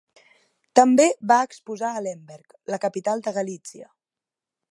També va exposar a Lemberg, la capital de Galítsia.